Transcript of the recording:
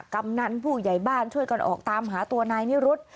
กำนันผู้ใหญ่บ้านช่วยกันออกตามหาตัวนายนิรุธ